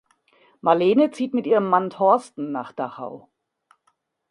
Marlene zieht mit ihrem Mann Thorsten nach Dachau.